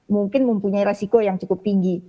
karena mungkin mempunyai resiko yang cukup tinggi